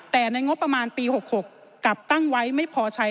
แต่ในงบประมาณปี๖๖กลับตั้งไว้ไม่พอใช้